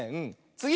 つぎ！